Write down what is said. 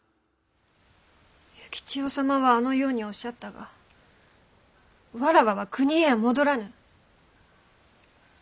幸千代様はあのようにおっしゃったがわらわは国へは戻らぬ。